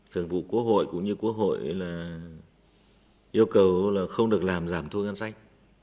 thường vụ quốc hội cũng như quốc hội là yêu cầu là không được làm giảm thu ngân sách